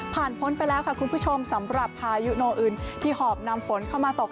พ้นไปแล้วค่ะคุณผู้ชมสำหรับพายุโนอื่นที่หอบนำฝนเข้ามาตก